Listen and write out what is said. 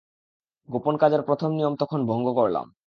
গোপন কাজের প্রথম নিয়ম তখন ভঙ্গ করলাম।